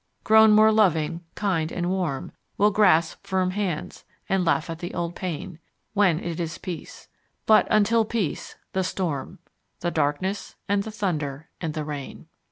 Grown more loving kind and warm We'll grasp firm hands and laugh at the old pain, When it is peace. But until peace, the storm The darkness and the thunder and the rain.